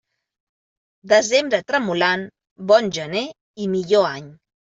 Desembre tremolant, bon gener i millor any.